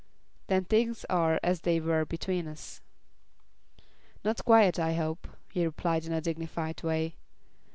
"Then things are as they were between us." "Not quite, I hope," he replied in a dignified way.